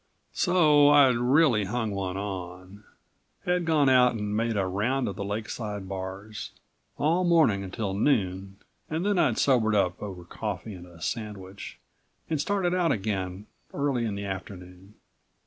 So I'd really hung one on, had gone out and made a round of the lakeside bars. All morning until noon and then I'd sobered up over coffee and a sandwich and started out again early in the afternoon.